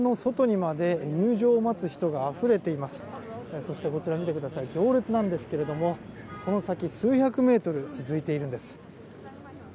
そしてこちら見てください行列なんですがこの先、数百メートル続いているんです。